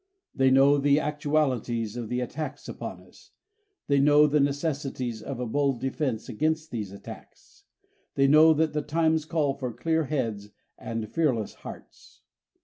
They know the actualities of the attacks upon us. They know the necessities of a bold defense against these attacks. They know that the times call for clear heads and fearless hearts.